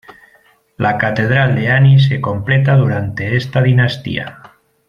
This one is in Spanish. La Catedral de Ani se completa durante esta dinastía.